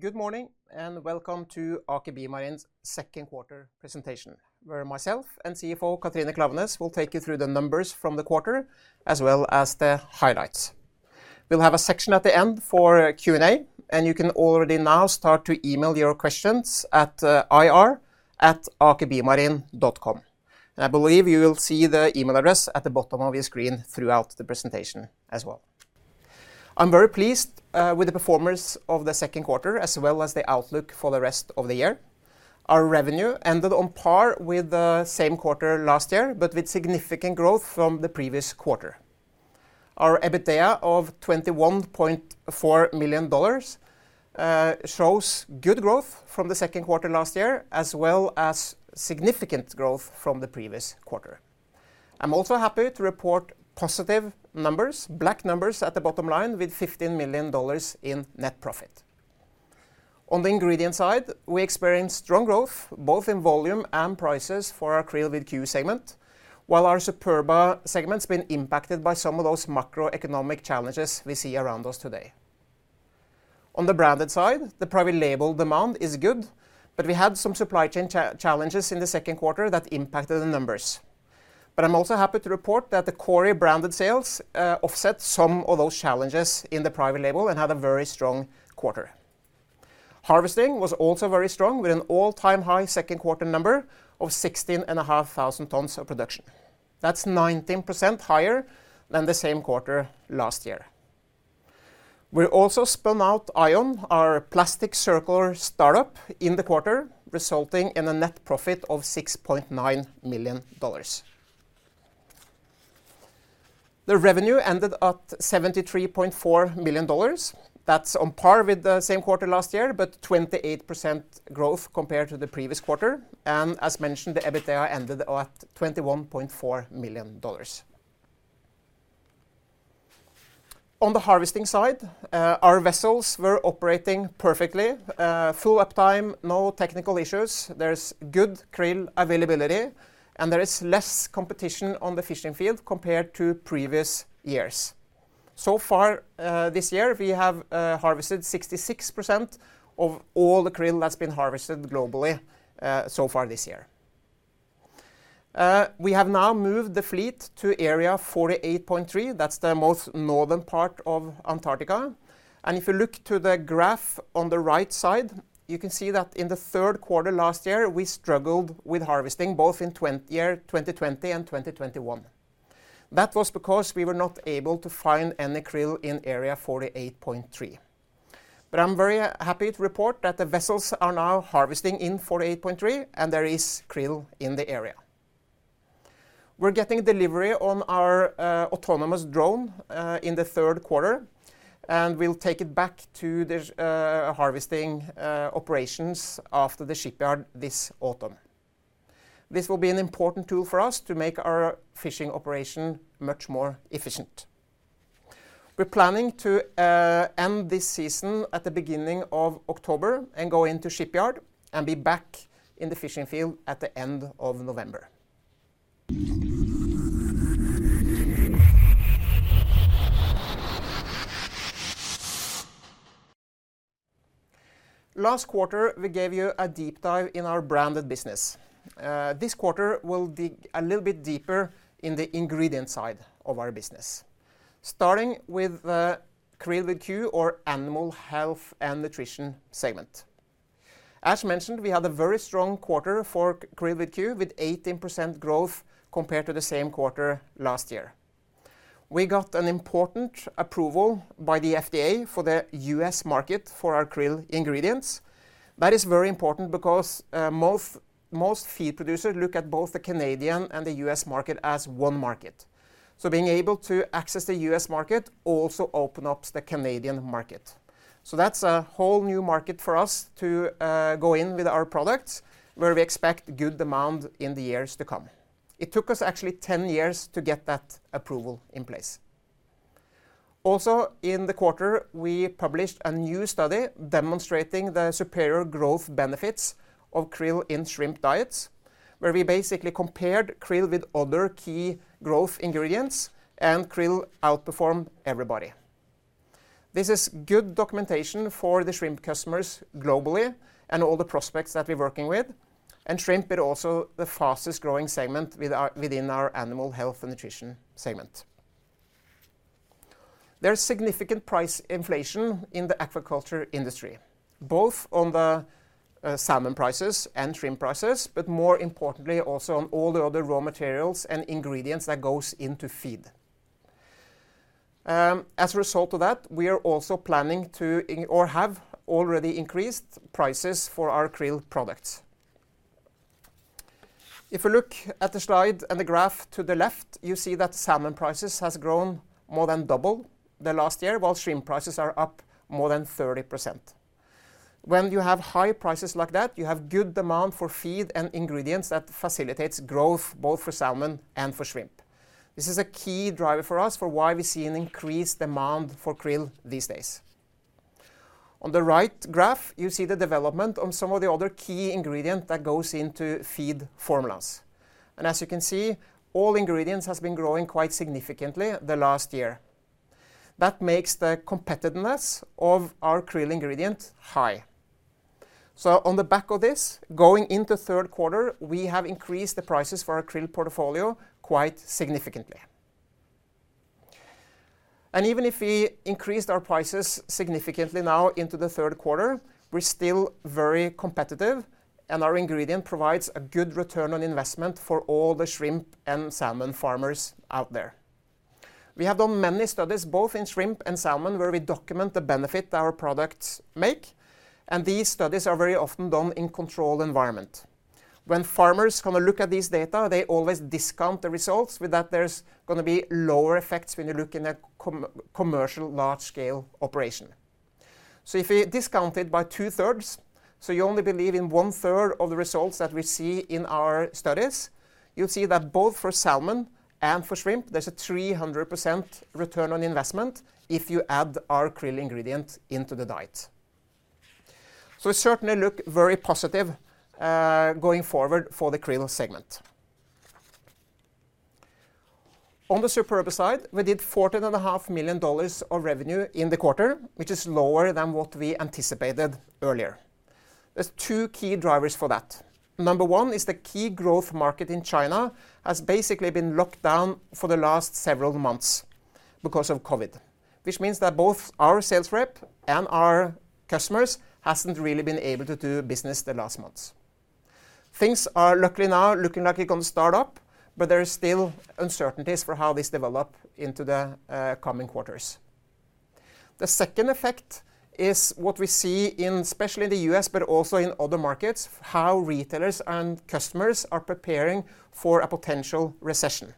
Good morning, and welcome to Aker BioMarine's second quarter presentation, where myself and CFO Katrine Klaveness will take you through the numbers from the quarter, as well as the highlights. We'll have a section at the end for Q&A, and you can already now start to email your questions at ir@akerbiomarine.com. I believe you will see the email address at the bottom of your screen throughout the presentation as well. I'm very pleased with the performance of the second quarter as well as the outlook for the rest of the year. Our revenue ended on par with the same quarter last year, but with significant growth from the previous quarter. Our EBITDA of $21.4 million shows good growth from the second quarter last year, as well as significant growth from the previous quarter. I'm also happy to report positive numbers, black numbers at the bottom line with $15 million in net profit. On the ingredient side, we experienced strong growth both in volume and prices for our QRILL Aqua segment, while our Superba segment's been impacted by some of those macroeconomic challenges we see around us today. On the branded side, the private label demand is good, but we had some supply chain challenges in the second quarter that impacted the numbers. I'm also happy to report that the Kori branded sales offset some of those challenges in the private label and had a very strong quarter. Harvesting was also very strong with an all-time high second quarter number of 16,500 tons of production. That's 19% higher than the same quarter last year. We also spun out AION, our plastic circular startup in the quarter, resulting in a net profit of $6.9 million. The revenue ended at $73.4 million. That's on par with the same quarter last year, but 28% growth compared to the previous quarter. As mentioned, the EBITDA ended at $21.4 million. On the harvesting side, our vessels were operating perfectly, full uptime, no technical issues. There's good krill availability, and there is less competition on the fishing field compared to previous years. So far, this year, we have harvested 66% of all the krill that's been harvested globally, so far this year. We have now moved the fleet to area 48.3. That's the most northern part of Antarctica. If you look to the graph on the right side, you can see that in the third quarter last year, we struggled with harvesting, both in 2020 and 2021. That was because we were not able to find any krill in area 48.3. I'm very happy to report that the vessels are now harvesting in 48.3, and there is krill in the area. We're getting delivery on our autonomous drone in the third quarter, and we'll take it back to this harvesting operations after the shipyard this autumn. This will be an important tool for us to make our fishing operation much more efficient. We're planning to end this season at the beginning of October and go into shipyard and be back in the fishing field at the end of November. Last quarter, we gave you a deep dive in our branded business. This quarter we'll dig a little bit deeper in the ingredient side of our business. Starting with the QRILL or Animal Health and Nutrition segment. As mentioned, we had a very strong quarter for QRILL, with 18% growth compared to the same quarter last year. We got an important approval by the FDA for the U.S. market for our krill ingredients. That is very important because most feed producers look at both the Canadian and the U.S. market as one market. Being able to access the U.S. market also opens up the Canadian market. That's a whole new market for us to go in with our products where we expect good demand in the years to come. It took us actually 10 years to get that approval in place. Also, in the quarter, we published a new study demonstrating the superior growth benefits of krill in shrimp diets, where we basically compared krill with other key growth ingredients, and krill outperformed everybody. This is good documentation for the shrimp customers globally and all the prospects that we're working with. Shrimp is also the fastest-growing segment within our animal health and nutrition segment. There's significant price inflation in the aquaculture industry, both on the salmon prices and shrimp prices, but more importantly, also on all the other raw materials and ingredients that goes into feed. As a result of that, we are also planning to or have already increased prices for our krill products. If you look at the slide and the graph to the left, you see that salmon prices has grown more than double the last year, while shrimp prices are up more than 30%. When you have high prices like that, you have good demand for feed and ingredients that facilitates growth both for salmon and for shrimp. This is a key driver for us for why we see an increased demand for krill these days. On the right graph, you see the development on some of the other key ingredient that goes into feed formulas. And as you can see, all ingredients has been growing quite significantly the last year. That makes the competitiveness of our krill ingredient high. On the back of this, going into third quarter, we have increased the prices for our krill portfolio quite significantly. Even if we increased our prices significantly now into the third quarter, we're still very competitive, and our ingredient provides a good return on investment for all the shrimp and salmon farmers out there. We have done many studies, both in shrimp and salmon, where we document the benefit our products make, and these studies are very often done in controlled environment. When farmers kind of look at this data, they always discount the results with that there's gonna be lower effects when you look in a commercial large-scale operation. If you discount it by two-thirds, so you only believe in one-third of the results that we see in our studies, you'll see that both for salmon and for shrimp, there's a 300% return on investment if you add our krill ingredient into the diet. It certainly looks very positive going forward for the krill segment. On the Superba side, we did $14.5 million of revenue in the quarter, which is lower than what we anticipated earlier. There are two key drivers for that. Number one is the key growth market in China has basically been locked down for the last several months because of COVID, which means that both our sales rep and our customers haven't really been able to do business the last months. Things are luckily now looking like it can start up, but there is still uncertainties for how this develops into the coming quarters. The second effect is what we see in, especially in the U.S. but also in other markets, how retailers and customers are preparing for a potential recession.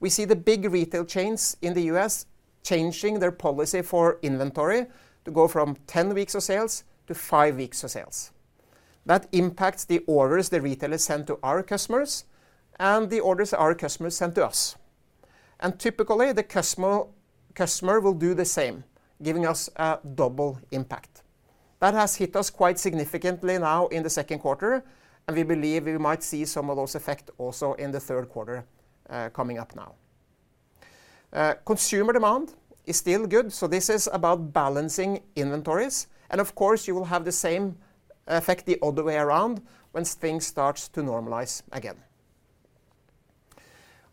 We see the big retail chains in the US changing their policy for inventory to go from 10 weeks of sales to five weeks of sales. That impacts the orders the retailers send to our customers and the orders our customers send to us. Typically, the customer will do the same, giving us a double impact. That has hit us quite significantly now in the second quarter, and we believe we might see some of those effects also in the third quarter, coming up now. Consumer demand is still good, so this is about balancing inventories, and of course, you will have the same effect the other way around when things starts to normalize again.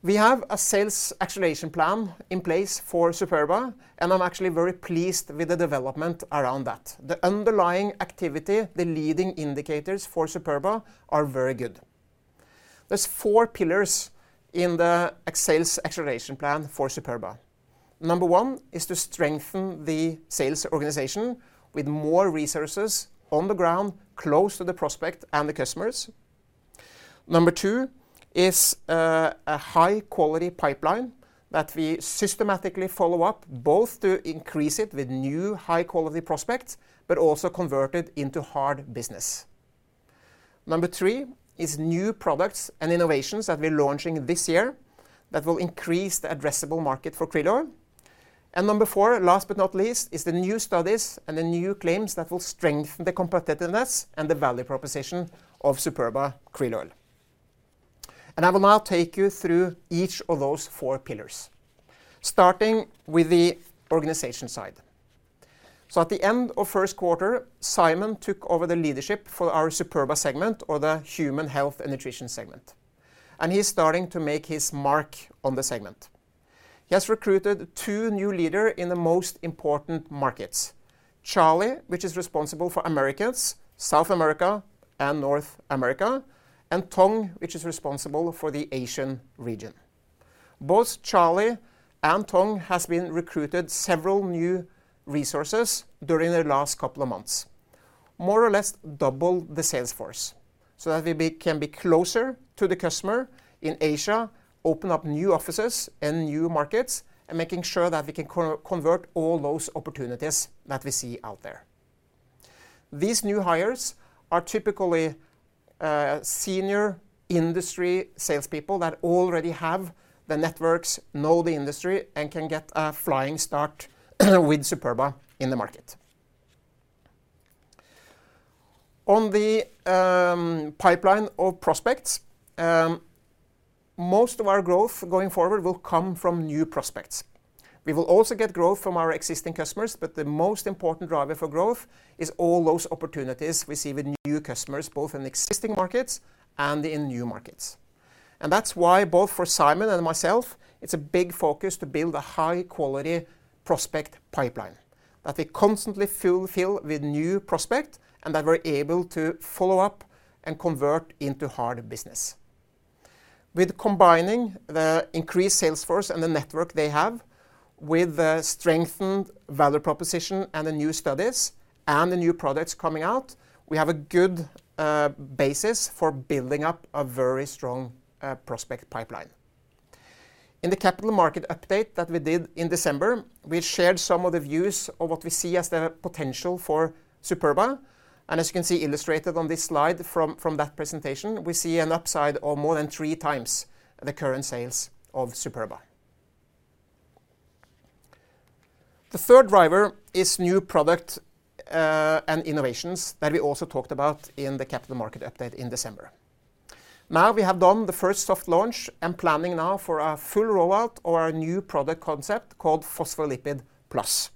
We have a sales acceleration plan in place for Superba, and I'm actually very pleased with the development around that. The underlying activity, the leading indicators for Superba are very good. There's four pillars in the sales acceleration plan for Superba. Number one is to strengthen the sales organization with more resources on the ground, close to the prospect and the customers. Number two is a high-quality pipeline that we systematically follow up, both to increase it with new high-quality prospects, but also convert it into hard business. Number three is new products and innovations that we're launching this year that will increase the addressable market for krill oil. Number four, last but not least, is the new studies and the new claims that will strengthen the competitiveness and the value proposition of Superba krill oil. I will now take you through each of those four pillars, starting with the organization side. At the end of first quarter, Simon took over the leadership for our Superba segment, or the human health and nutrition segment, and he's starting to make his mark on the segment. He has recruited two new leader in the most important markets: Charlie, which is responsible for Americas, South America, and North America, and Tong, which is responsible for the Asian region. Both Charlie and Tong has been recruited several new resources during the last couple of months, more or less double the sales force, so that we can be closer to the customer in Asia, open up new offices and new markets, and making sure that we can convert all those opportunities that we see out there. These new hires are typically, senior industry salespeople that already have the networks, know the industry, and can get a flying start with Superba in the market. On the pipeline of prospects, most of our growth going forward will come from new prospects. We will also get growth from our existing customers, but the most important driver for growth is all those opportunities we see with new customers, both in existing markets and in new markets. That's why both for Simon and myself, it's a big focus to build a high-quality prospect pipeline that we constantly fulfill with new prospect and that we're able to follow up and convert into hard business. With combining the increased sales force and the network they have with the strengthened value proposition and the new studies and the new products coming out, we have a good basis for building up a very strong prospect pipeline. In the capital market update that we did in December, we shared some of the views of what we see as the potential for Superba, and as you can see illustrated on this slide from that presentation, we see an upside of more than three times the current sales of Superba. The third driver is new product and innovations that we also talked about in the capital market update in December. Now we have done the first soft launch and planning now for our full rollout of our new product concept called Phospholipid Plus.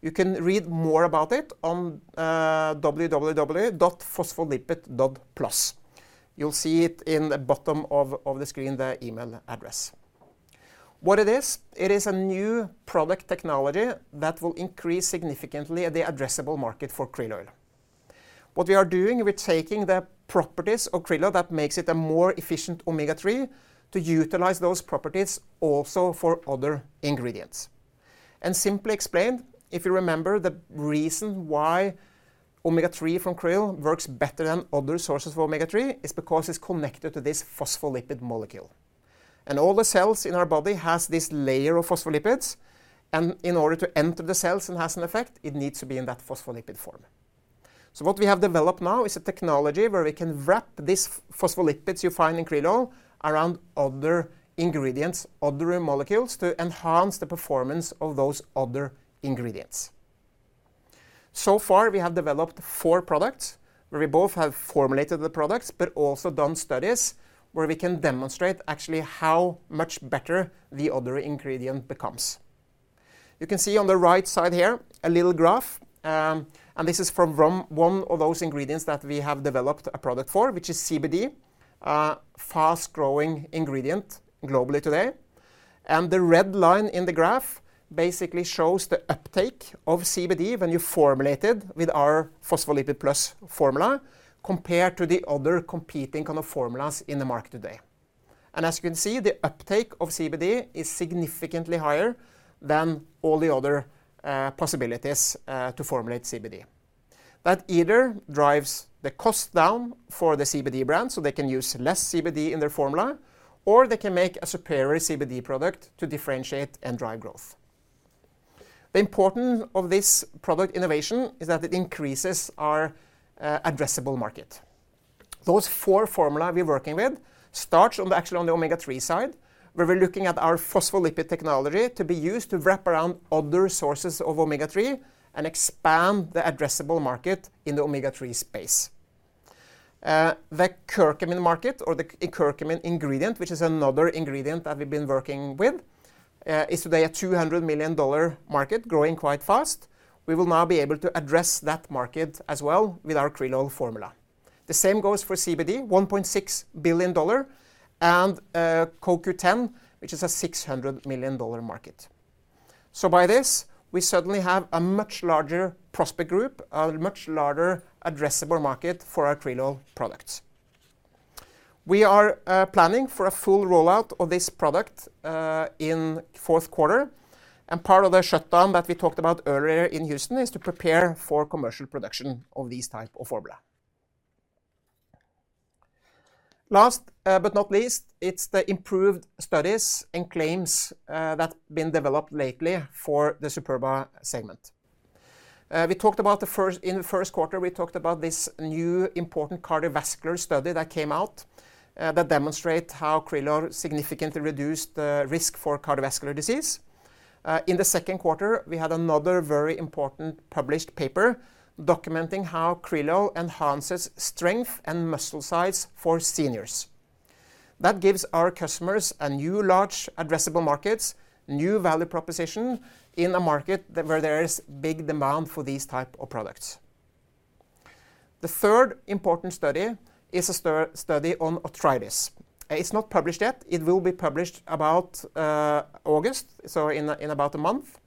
You can read more about it on www.phospholipid.plus. You'll see it in the bottom of the screen, the email address. What it is, it is a new product technology that will increase significantly the addressable market for krill oil. What we are doing, we're taking the properties of krill oil that makes it a more efficient Omega-3 to utilize those properties also for other ingredients. Simply explained, if you remember the reason why Omega-3 from krill works better than other sources of Omega-3 is because it's connected to this phospholipid molecule. All the cells in our body has this layer of phospholipids, and in order to enter the cells and has an effect, it needs to be in that phospholipid form. What we have developed now is a technology where we can wrap these phospholipids you find in krill oil around other ingredients, other molecules, to enhance the performance of those other ingredients. So far, we have developed four products where we both have formulated the products but also done studies where we can demonstrate actually how much better the other ingredient becomes. You can see on the right side here a little graph, and this is from one of those ingredients that we have developed a product for, which is CBD, a fast-growing ingredient globally today. The red line in the graph basically shows the uptake of CBD when you formulate it with our Phospholipid Plus formula compared to the other competing kind of formulas in the market today. As you can see, the uptake of CBD is significantly higher than all the other possibilities to formulate CBD. That either drives the cost down for the CBD brand, so they can use less CBD in their formula, or they can make a superior CBD product to differentiate and drive growth. The importance of this product innovation is that it increases our addressable market. Those four formulas we're working with start actually on the Omega-3 side, where we're looking at our phospholipid technology to be used to wrap around other sources of Omega-3 and expand the addressable market in the Omega-3 space. The curcumin market or the curcumin ingredient, which is another ingredient that we've been working with, is today a $200 million market growing quite fast. We will now be able to address that market as well with our krill oil formula. The same goes for CBD, $1.6 billion, and CoQ10, which is a $600 million market. By this, we suddenly have a much larger prospect group, a much larger addressable market for our krill oil products. We are planning for a full rollout of this product in fourth quarter, and part of the shutdown that we talked about earlier in Houston is to prepare for commercial production of these type of formula. Last but not least, it's the improved studies and claims that's been developed lately for the Superba segment. In the first quarter, we talked about this new important cardiovascular study that came out that demonstrate how krill oil significantly reduced the risk for cardiovascular disease. In the second quarter, we had another very important published paper documenting how krill oil enhances strength and muscle size for seniors. That gives our customers a new large addressable markets, new value proposition in a market that where there is big demand for these type of products. The third important study is a study on arthritis. It's not published yet. It will be published about August, so in about a month.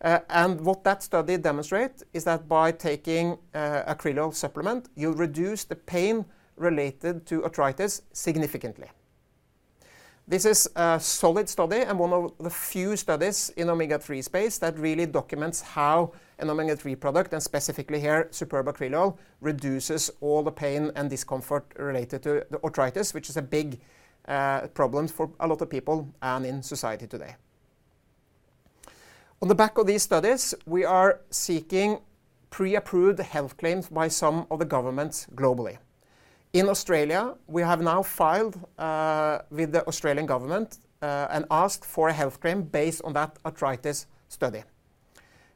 What that study demonstrate is that by taking a krill oil supplement, you reduce the pain related to arthritis significantly. This is a solid study and one of the few studies in Omega-3 space that really documents how an Omega-3 product, and specifically here Superba krill oil, reduces all the pain and discomfort related to the arthritis, which is a big problem for a lot of people and in society today. On the back of these studies, we are seeking pre-approved health claims by some of the governments globally. In Australia, we have now filed with the Australian Government and asked for a health claim based on that arthritis study.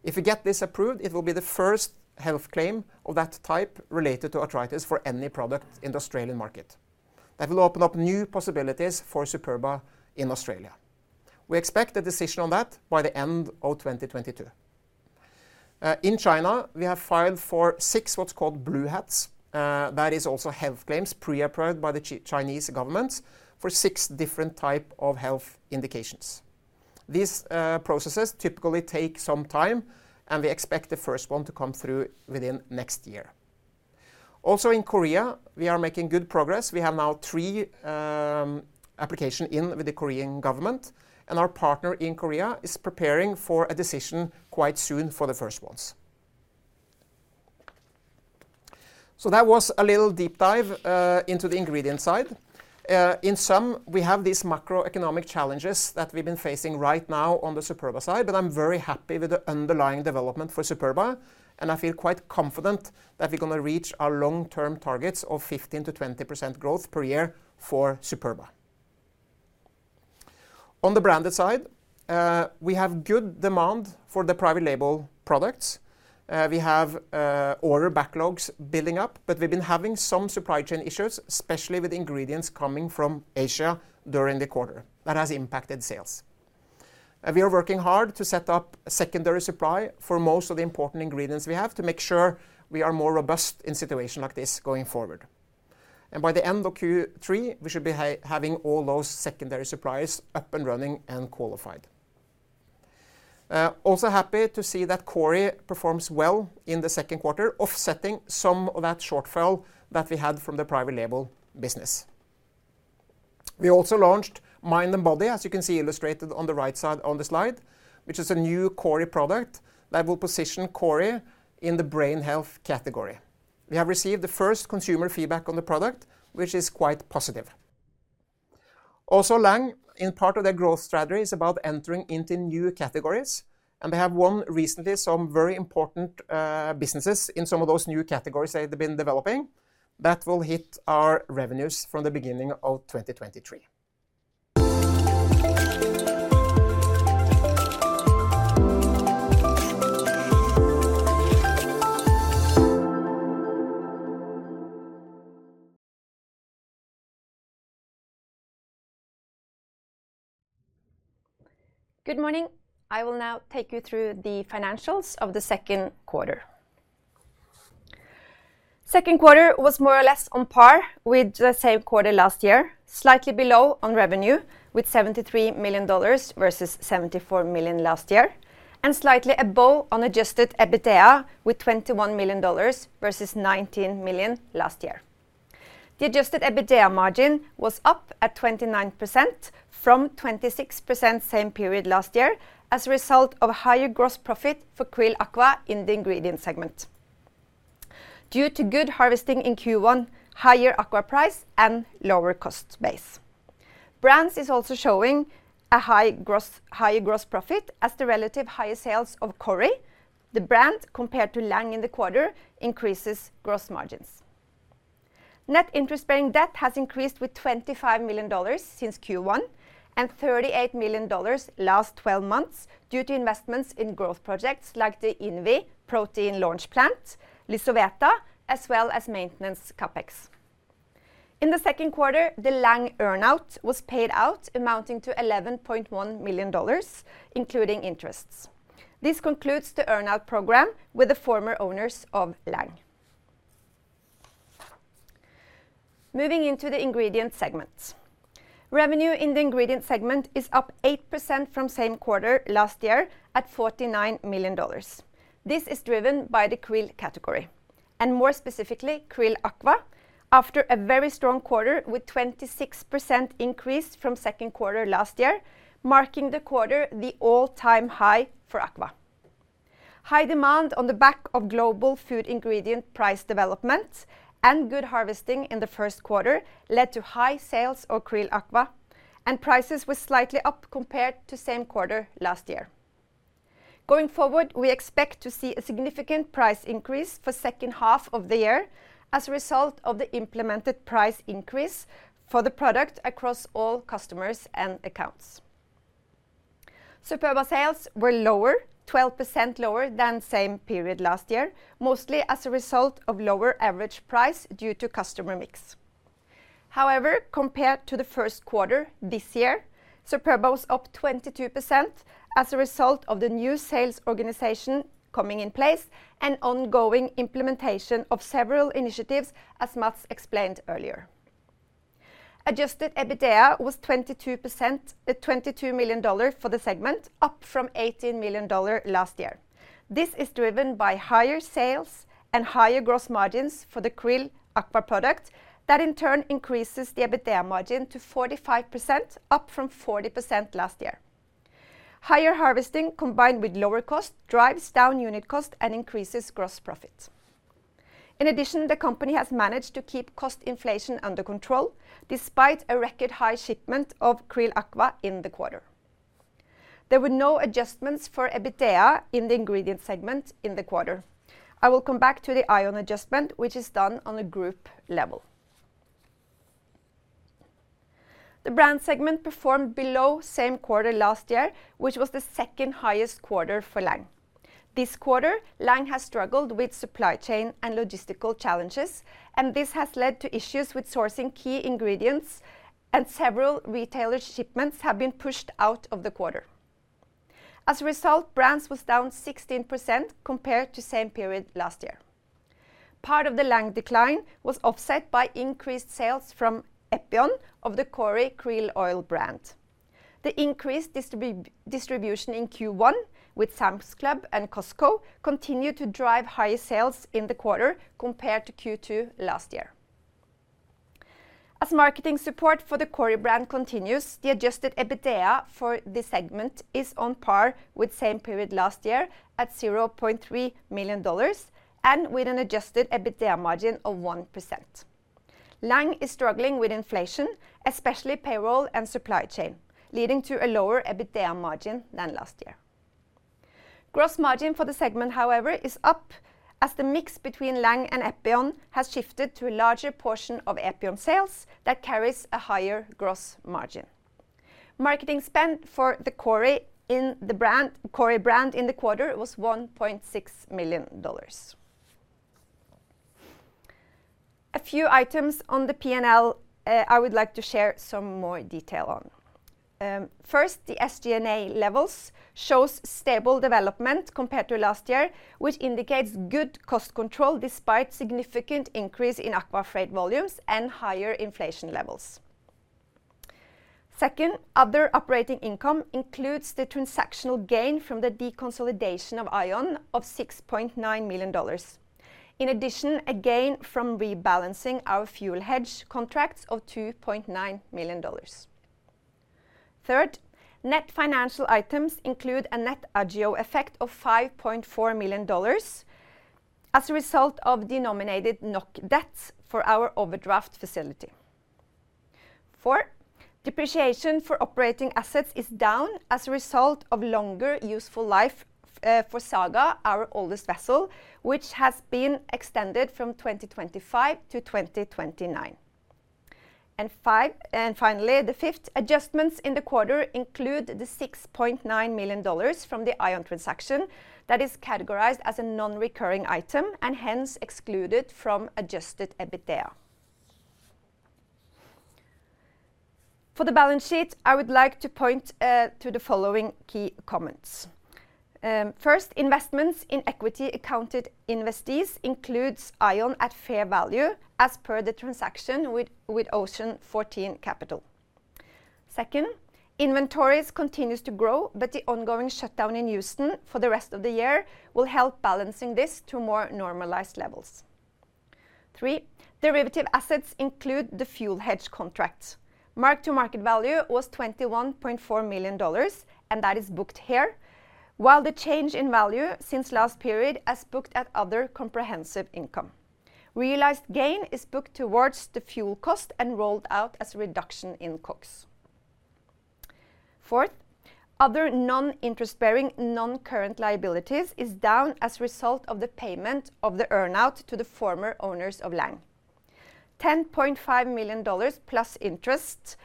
If we get this approved, it will be the first health claim of that type related to arthritis for any product in the Australian market. That will open up new possibilities for Superba in Australia. We expect a decision on that by the end of 2022. In China, we have filed for six what's called blue hats, that is also health claims pre-approved by the Chinese government for six different type of health indications. These processes typically take some time, and we expect the first one to come through within next year. Also in Korea, we are making good progress. We have now three application in with the Korean government, and our partner in Korea is preparing for a decision quite soon for the first ones. That was a little deep dive into the ingredient side. In sum, we have these macroeconomic challenges that we've been facing right now on the Superba side, but I'm very happy with the underlying development for Superba, and I feel quite confident that we're gonna reach our long-term targets of 15%-20% growth per year for Superba. On the branded side, we have good demand for the private label products. We have order backlogs building up, but we've been having some supply chain issues, especially with ingredients coming from Asia during the quarter. That has impacted sales. We are working hard to set up a secondary supply for most of the important ingredients we have to make sure we are more robust in situation like this going forward. By the end of Q3, we should be having all those secondary suppliers up and running and qualified. Also happy to see that Kori performs well in the second quarter, offsetting some of that shortfall that we had from the private label business. We also launched Mind & Body, as you can see illustrated on the right side on the slide, which is a new Kori product that will position Kori in the brain health category. We have received the first consumer feedback on the product, which is quite positive. Also, Lang, in part of their growth strategy, is about entering into new categories, and they have won recently some very important businesses in some of those new categories that they've been developing that will hit our revenues from the beginning of 2023. Good morning. I will now take you through the financials of the second quarter. Second quarter was more or less on par with the same quarter last year, slightly below on revenue, with $73 million versus $74 million last year, and slightly above on adjusted EBITDA, with $21 million versus $19 million last year. The adjusted EBITDA margin was up at 29% from 26% same period last year as a result of higher gross profit for QRILL Aqua in the ingredient segment due to good harvesting in Q1, higher QRILL Aqua price, and lower cost base. Brands is also showing higher gross profit as the relative higher sales of Kori, the brand compared to Lang in the quarter, increases gross margins. Net interest-bearing debt has increased with $25 million since Q1 and $38 million last twelve months due to investments in growth projects, like the INVI protein launch plant, LYSOVETA, as well as maintenance CapEx. In the second quarter, the Lang earnout was paid out, amounting to $11.1 million, including interests. This concludes the earnout program with the former owners of Lang. Moving into the ingredient segment. Revenue in the ingredient segment is up 8% from same quarter last year, at $49 million. This is driven by the Krill category, and more specifically, QRILL Aqua, after a very strong quarter with 26% increase from second quarter last year, marking the quarter the all-time high for Aqva. High demand on the back of global food ingredient price development and good harvesting in the first quarter led to high sales of QRILL Aqua, and prices were slightly up compared to same quarter last year. Going forward, we expect to see a significant price increase for second half of the year as a result of the implemented price increase for the product across all customers and accounts. Superba sales were lower, 12% lower than same period last year, mostly as a result of lower average price due to customer mix. However, compared to the first quarter this year, Superba was up 22% as a result of the new sales organization coming in place and ongoing implementation of several initiatives, as Mats explained earlier. Adjusted EBITDA was $22 million for the segment, up from $18 million last year. This is driven by higher sales and higher gross margins for the QRILL Aqua product that in turn increases the EBITDA margin to 45%, up from 40% last year. Higher harvesting combined with lower cost drives down unit cost and increases gross profit. In addition, the company has managed to keep cost inflation under control despite a record high shipment of QRILL Aqua in the quarter. There were no adjustments for EBITDA in the ingredient segment in the quarter. I will come back to the AION adjustment, which is done on a group level. The brand segment performed below same quarter last year, which was the second highest quarter for Lang. This quarter, Lang has struggled with supply chain and logistical challenges, and this has led to issues with sourcing key ingredients, and several retailer shipments have been pushed out of the quarter. As a result, brands was down 16% compared to same period last year. Part of the Lang decline was offset by increased sales from EPION of the Kori krill oil brand. The increased distribution in Q1 with Sam's Club and Costco continued to drive higher sales in the quarter compared to Q2 last year. As marketing support for the Kori brand continues, the adjusted EBITDA for this segment is on par with same period last year at $0.3 million and with an adjusted EBITDA margin of 1%. Lang is struggling with inflation, especially payroll and supply chain, leading to a lower EBITDA margin than last year. Gross margin for the segment, however, is up as the mix between Lang and EPION has shifted to a larger portion of EPION sales that carries a higher gross margin. Marketing spend for the Kori brand in the quarter was $1.6 million. A few items on the P&L, I would like to share some more detail on. First, the SG&A levels shows stable development compared to last year, which indicates good cost control despite significant increase in Aqua feed volumes and higher inflation levels. Second, other operating income includes the transactional gain from the deconsolidation of AION of $6.9 million. In addition, a gain from rebalancing our fuel hedge contracts of $2.9 million. Third, net financial items include a net aggio effect of $5.4 million as a result of denominated NOK debts for our overdraft facility. Four, depreciation for operating assets is down as a result of longer useful life for Saga, our oldest vessel, which has been extended from 2025-2029. Five, and finally, the fifth adjustments in the quarter include the $6.9 million from the AION transaction that is categorized as a non-recurring item and hence excluded from adjusted EBITDA. For the balance sheet, I would like to point to the following key comments. First, investments in equity accounted investees includes AION at fair value as per the transaction with Ocean 14 Capital. Second, inventories continues to grow, but the ongoing shutdown in Houston for the rest of the year will help balancing this to more normalized levels. Three, derivative assets include the fuel hedge contracts. Mark-to-market value was $21.4 million, and that is booked here, while the change in value since last period is booked at other comprehensive income. Realized gain is booked towards the fuel cost and rolled out as a reduction in COGS. Fourth, other non-interest-bearing non-current liabilities is down as a result of the payment of the earn-out to the former owners of Lang. $10.5 million plus interest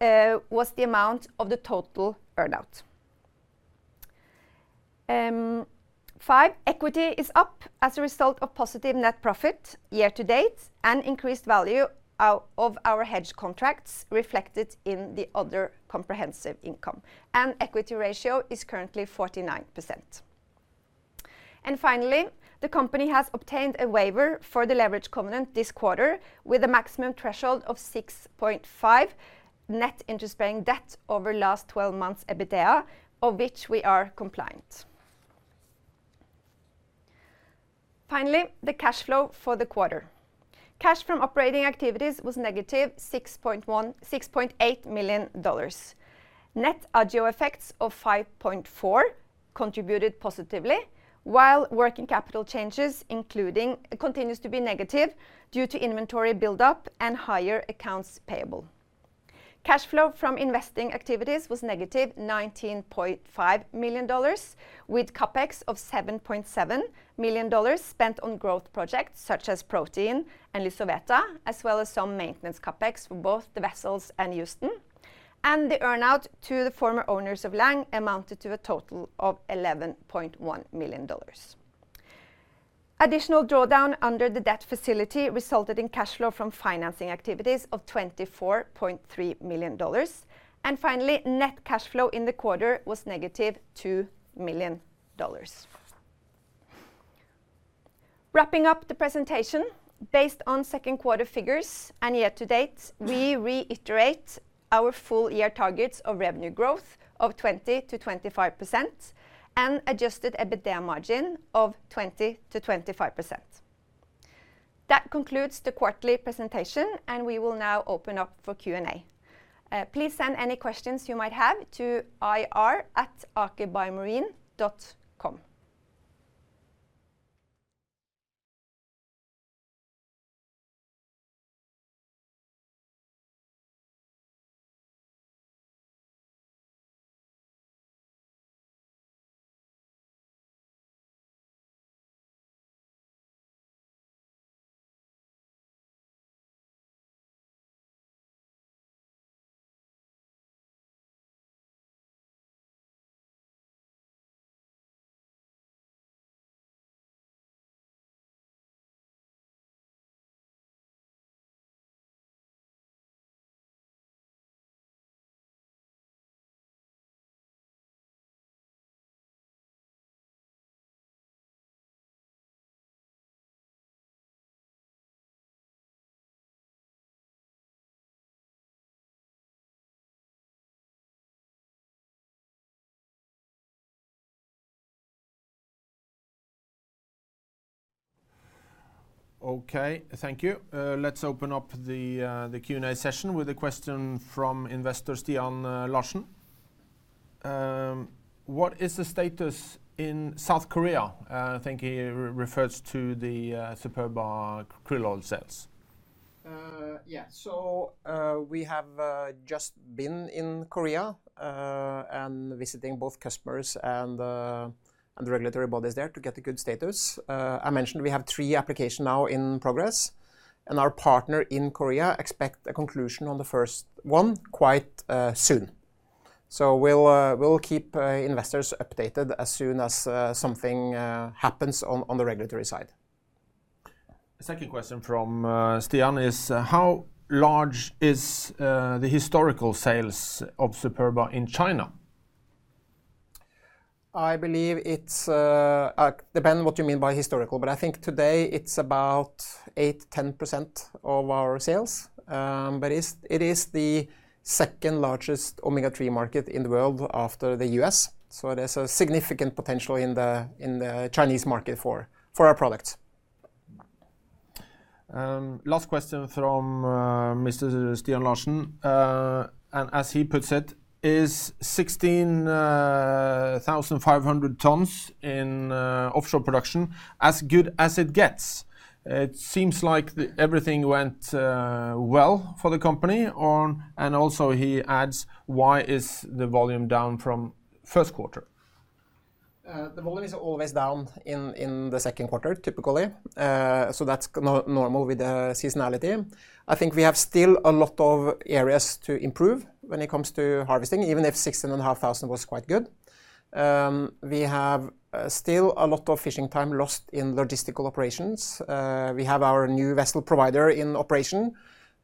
was the amount of the total earn-out. Five, equity is up as a result of positive net profit year to date and increased value of our hedge contracts reflected in the other comprehensive income, and equity ratio is currently 49%. Finally, the company has obtained a waiver for the leverage covenant this quarter with a maximum threshold of 6.5 net interest-bearing debt over last twelve months EBITDA, of which we are compliant. Finally, the cash flow for the quarter. Cash from operating activities was negative $6.8 million. Net hedge effects of $5.4 million contributed positively, while working capital changes continues to be negative due to inventory build-up and higher accounts payable. Cash flow from investing activities was negative $19.5 million, with CapEx of $7.7 million spent on growth projects such as protein and LYSOVETA, as well as some maintenance CapEx for both the vessels and Houston. The earn-out to the former owners of Lang Pharma Nutrition amounted to a total of $11.1 million. Additional drawdown under the debt facility resulted in cash flow from financing activities of $24.3 million. Finally, net cash flow in the quarter was negative $2 million. Wrapping up the presentation, based on second quarter figures and year to date, we reiterate our full year targets of revenue growth of 20%-25% and adjusted EBITDA margin of 20%-25%. That concludes the quarterly presentation, and we will now open up for Q&A. Please send any questions you might have to ir@akerbiomarine.com. Okay, thank you. Let's open up the Q&A session with a question from investor Stian Larsen. What is the status in South Korea? I think he refers to the Superba krill oil sales. Yeah. We have just been in Korea and visiting both customers and the regulatory bodies there to get a good status. I mentioned we have three applications now in progress, and our partner in Korea expects a conclusion on the first one quite soon. We'll keep investors updated as soon as something happens on the regulatory side. The second question from Stian is, how large is the historical sales of Superba in China? I believe it depends on what you mean by historical, but I think today it's about 8%-10% of our sales. It is the second-largest Omega-3 market in the world after the U.S., so there's a significant potential in the Chinese market for our products. Last question from Mr. Stian Larsen. As he puts it, "Is 16,500 tons in offshore production as good as it gets? It seems like everything went well for the company." He also adds, "Why is the volume down from first quarter? The volume is always down in the second quarter, typically. That's normal with the seasonality. I think we have still a lot of areas to improve when it comes to harvesting, even if 16,500 was quite good. We have still a lot of fishing time lost in logistical operations. We have our new vessel provider in operation.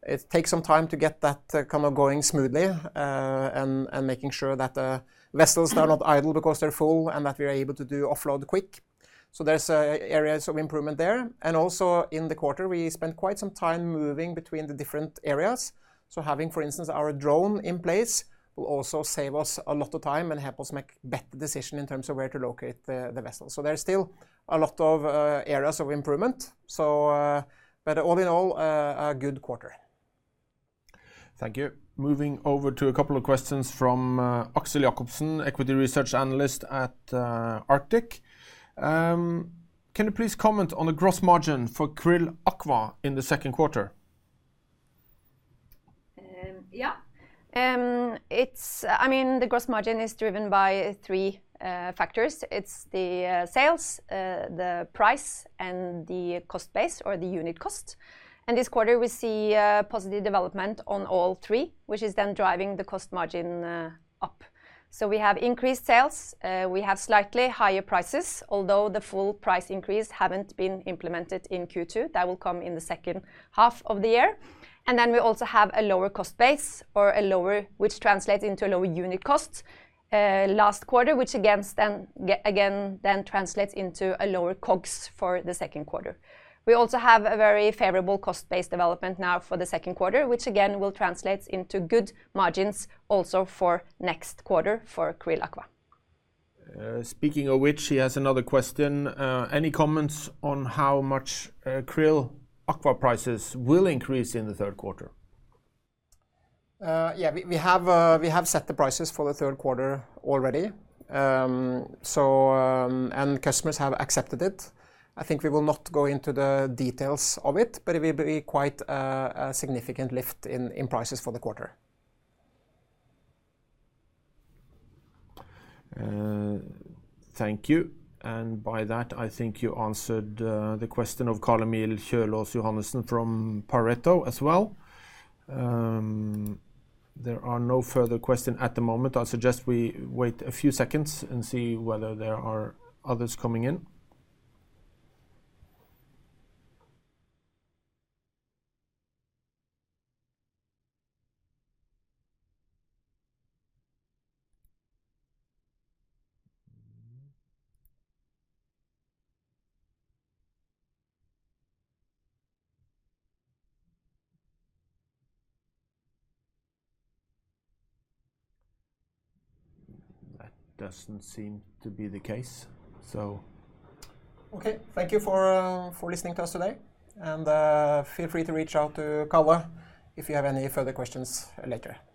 It takes some time to get that kind of going smoothly, and making sure that the vessels are not idle because they're full and that we are able to offload quick. There's areas of improvement there. Also in the quarter, we spent quite some time moving between the different areas. Having, for instance, our drone in place will also save us a lot of time and help us make better decision in terms of where to locate the vessel. There's still a lot of areas of improvement. All in all, a good quarter. Thank you. Moving over to a couple of questions from Axel Jacobsen, equity research analyst at Arctic. Can you please comment on the gross margin for QRILL Aqua in the second quarter? I mean, the gross margin is driven by three factors. It's the sales, the price, and the cost base or the unit cost. This quarter we see positive development on all three, which is then driving the gross margin up. We have increased sales. We have slightly higher prices, although the full price increase haven't been implemented in Q2. That will come in the second half of the year. Then we also have a lower cost base or a lower, which translates into a lower unit cost last quarter, which again then translates into a lower COGS for the second quarter. We also have a very favorable cost base development now for the second quarter, which again will translate into good margins also for next quarter for QRILL Aqua. Speaking of which, he has another question. Any comments on how much QRILL Aqua prices will increase in the third quarter? Yeah. We have set the prices for the third quarter already. Customers have accepted it. I think we will not go into the details of it, but it will be quite a significant lift in prices for the quarter. Thank you. By that, I think you answered the question of Carl-Emil Kjølås Johannessen from Pareto Securities as well. There are no further question at the moment. I suggest we wait a few seconds and see whether there are others coming in. That doesn't seem to be the case, so. Okay. Thank you for listening to us today, and feel free to reach out to Klave if you have any further questions later.